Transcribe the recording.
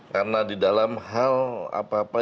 karena di dalam hal apa apa